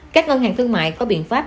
các ngân hàng thương mại có biện pháp